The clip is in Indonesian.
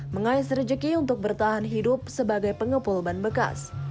mengayas rejeki untuk bertahan hidup sebagai pengepul bahan bekas